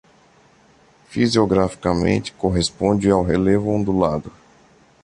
Fisiograficamente, corresponde a um relevo ondulado.